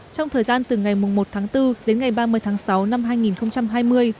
trong thời gian từ ngày một tháng bốn đến ngày ba mươi tháng sáu năm hai nghìn hai mươi